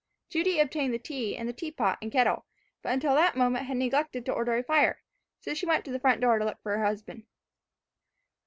Judy obtained the tea and tea pot and kettle, but until that moment had neglected to order a fire; so she went to the front door to look for her husband.